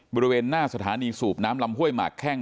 บริเวณหน้าสถานีสูบน้ำลำห้วยหมากแข้ง